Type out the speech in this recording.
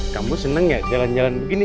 kamu seneng ya jalan jalan begini